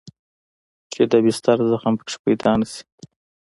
چې د بستر زخم پکښې پيدا نه سي.